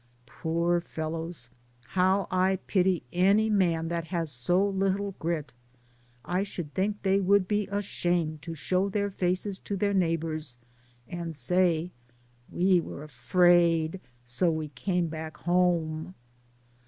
Poor fellows, how I pity any man that has so little grit. I should think they would be ashamed to show their faces to their neighbors, and say, "We were afraid, so we came back home."